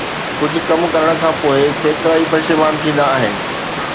ڪجھ ڪم ڪرڻ کان پوءِ ڪيترائي پشيمان ٿيندا آھن